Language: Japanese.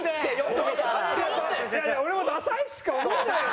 いやいや俺もダサいしか思わないよ